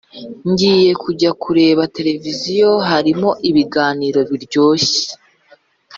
ngiye kujya kureba televiziyo harimo ibiganiro biryoshye